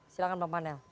silahkan pak panel